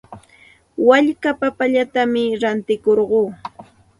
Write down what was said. Walka papallatam rantirquu.